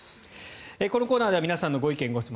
このコーナーでは皆さんのご意見・ご質問